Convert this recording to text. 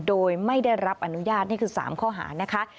โดยไม่ได้รับอนุญาตนี่คือ๓ข้อหานะคะ